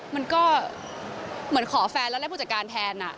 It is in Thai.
มันก็เหมือนขอแฟนแล้วได้ผู้จัดการแทน